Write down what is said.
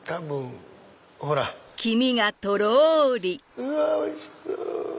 うわおいしそう！